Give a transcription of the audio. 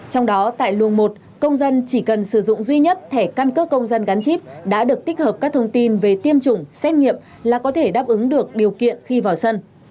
trong đó tại luồng một công dân chỉ cần sử dụng duy nhất thẻ căn cước công dân gắn chip đã được tích hợp các thông tin về tiêm chủng xét nghiệm là có thể đáp ứng được điều kiện khi vào sân